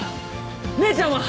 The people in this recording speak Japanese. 姉ちゃんは？